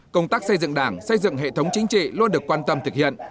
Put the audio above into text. công tác xây dựng đảng xây dựng hệ thống chính trị luôn được quan tâm thực hiện